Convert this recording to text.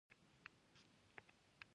سکلیټ له قبر نه پورته شو.